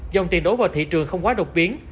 dòng tiền đổ vào thị trường không quá độc biến